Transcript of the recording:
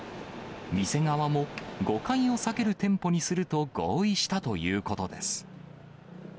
店側も、誤解を避ける店舗にすると合意したということです。